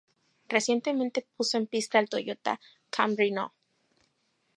Recientemente puso en pista el Toyota Camry No.